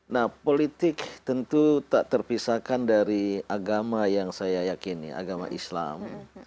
nah politik tentu tak terpisahkan dari agama yang saya yakini agama islam